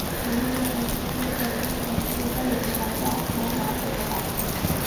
তিনি কোমল গলায় বললেন, যতদিন পদার্থবিদ্যা বেঁচে থাকবে আপনার নাম বেঁচে থাকবে।